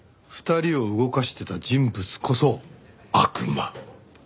２人を動かしてた人物こそ悪魔。